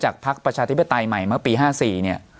พักประชาธิปไตยใหม่เมื่อปี๕๔เนี่ย